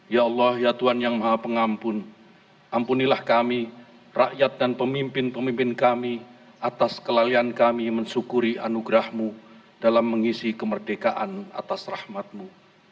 ya allah ya tuhan yang maha pengampun ampunilah kami rakyat dan pemimpin pemimpin kami atas kelalaian kami mensyukuri anugerahmu dalam mengisi kemerdekaan atas rahmatmu